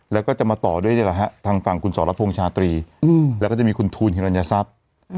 แล้วก็จะมาต่อด้วยทางฝั่งคุณสรพงษ์ชาตรีแล้วก็จะมีคุณทูลฮิรัญทรัพย์